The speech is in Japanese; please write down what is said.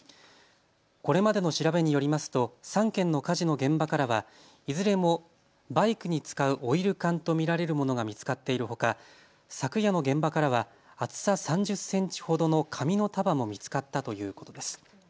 これまでの調べによりますと３件の火事の現場からはいずれもバイクに使うオイル缶と見られるものが見つかっているほか昨夜の現場からは厚さ３０センチほどの紙の束も見つかったということです。